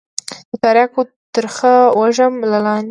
د ترياكو ترخه وږم له لاندې.